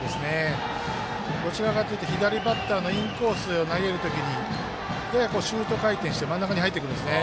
どちらかというと左バッターのインコースに投げる時に、ややシュート回転で真ん中に入ってくるんですね。